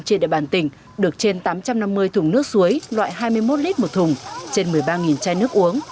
trên địa bàn tỉnh được trên tám trăm năm mươi thùng nước suối loại hai mươi một lít một thùng trên một mươi ba chai nước uống